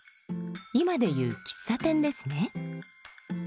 今で言う喫茶店ですね。